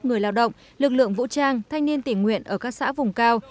người lao động lực lượng vũ trang thanh niên tỉnh huyện ở các xã vùng cao